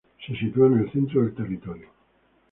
Se sitúa en el centro del territorio.